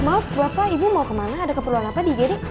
maaf bapak ibu mau kemana ada keperluan apa di igd